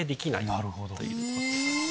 なるほど。